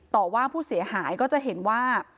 ต่อว่าผู้เสียหายก็จะเห็นว่า